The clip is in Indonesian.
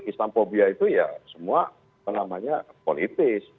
islamphobia itu ya semua namanya politis